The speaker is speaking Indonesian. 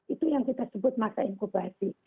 itu yang kita sebut masa inkubasi